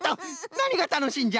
なにがたのしいんじゃ？